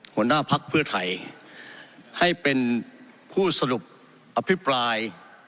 หัวหน้าพักเพื่อไทยให้เป็นผู้สรุปอภิปราย